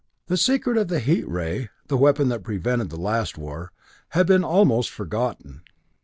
"The secret of the heat ray, the weapon that prevented the last war, had been almost forgotten.